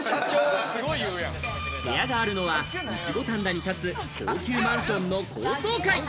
部屋があるのは西五反田に建つ高級マンションの高層階。